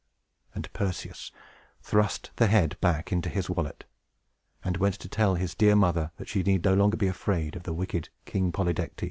And Perseus thrust the head back into his wallet, and went to tell his dear mother that she need no longer be afraid of the wicked King Polydectes.